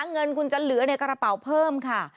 เงินคุณจะเหลือในกระเป๋าเพิ่มค่ะ